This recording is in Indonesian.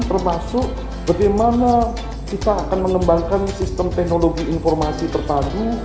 termasuk bagaimana kita akan mengembangkan sistem teknologi informasi terpadu